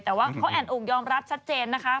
แต่ว่าเขาแอนอกยอมรับชัดเจนนะคะ